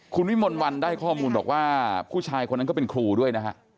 คุณวิมลวันได้ข้อมูลบอกว่าผู้ชายคนนั้นก็เป็นครูด้วยนะฮะ